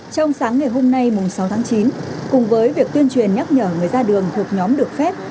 trong sáng ngày hôm nay mùng sáu tháng chín cùng với việc tuyên truyền nhắc nhở người ra đường thuộc nhóm được phép